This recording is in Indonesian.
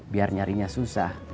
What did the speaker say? biar nyarinya susah